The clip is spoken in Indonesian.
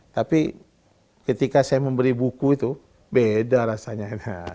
tapi ketika saya memberi buku itu beda rasanya